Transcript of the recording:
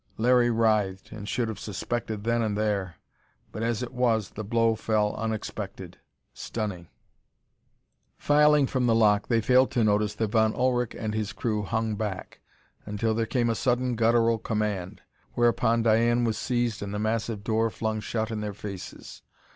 Larry writhed, and should have suspected then and there but as it was, the blow fell unexpected, stunning. Filing from the lock, they failed to notice that Von Ullrich and his crew hung back, until there came a sudden, guttural command, whereupon Diane was seized and the massive door flung shut in their faces.